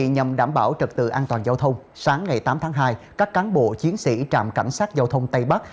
nhằm đảm bảo trật tự an toàn giao thông sáng ngày tám tháng hai các cán bộ chiến sĩ trạm cảnh sát giao thông tây bắc